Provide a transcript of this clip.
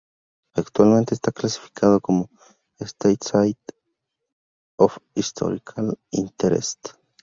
Actualmente está clasificado como "State Site of Historical Interest".